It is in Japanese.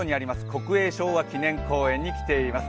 国営昭和記念公園に来ています。